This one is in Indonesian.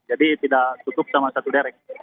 jadi tidak tutup sama satu derek